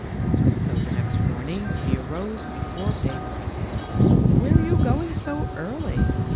So the next morning he arose before day break. "Where are you going so early?"